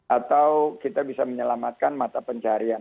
atau kita bisa menyelamatkan mata pencarian